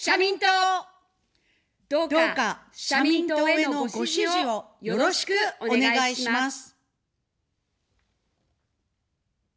どうか社民党へのご支持をよろしくお願いします。